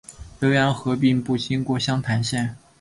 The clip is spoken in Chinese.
浏阳河并不经过湘潭县。